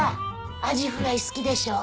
アジフライ好きでしょ。